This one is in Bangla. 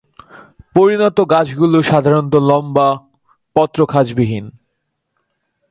পরিণত গাছগুলো সাধারণত লম্বা, পত্রখাঁজবিহীন।